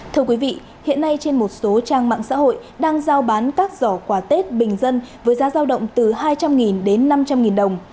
thưa quý vị hiện nay trên một số trang mạng xã hội đang giao bán các giỏ quà tết bình dân với giá giao động từ hai trăm linh đến năm trăm linh đồng